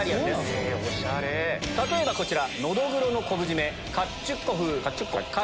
例えばこちら。